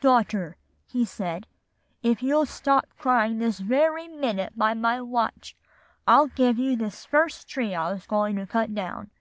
'Daughter,' he said, 'if you'll stop crying this very minute by my watch, I'll give you this first tree I was going to cut down.